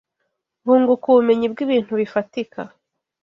bunguka ubumenyi bw’ibintu bifatika